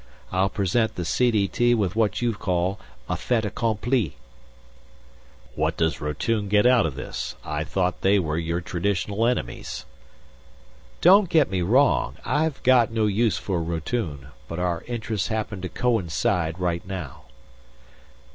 I'll present the CDT with what you call a fait accompli." "What does Rotune get out of this? I thought they were your traditional enemies." "Don't get me wrong. I've got no use for Rotune; but our interests happen to coincide right now."